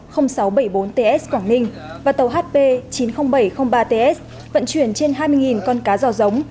tàu hb chín mươi nghìn bảy trăm linh ba ts quảng ninh và tàu hb chín mươi nghìn bảy trăm linh ba ts vận chuyển trên hai mươi con cá do giống